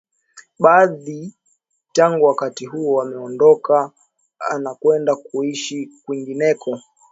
Baadhi tangu wakati huo wameondoka au kwenda kuishi kwingineko